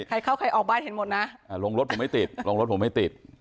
ใครเข้าใครออกบ้านเห็นหมดนะลงรถผมไม่ติด